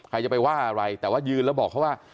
ใครจะไปว่าอะไรแต่ว่ายืนแล้วบอกเขาว่า